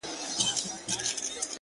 اوس سودايي يمه اوس داسې حرکت کومه _